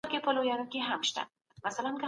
ډیپلوماسي د جګړې د دوام لپاره نه کارول کیږي.